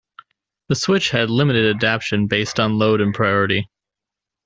The switch had limited adaption based on load and priority.